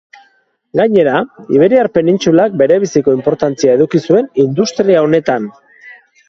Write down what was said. Gainera, iberiar penintsulak berebiziko inportantzia eduki zuen industria honetan.